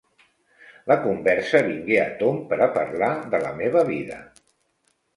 La conversa vingué a tomb per a parlar de la meva vida.